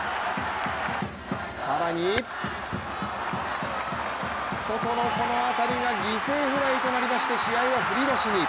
更に、ソトのこの当たりが犠牲フライとなりまして試合は振り出しに。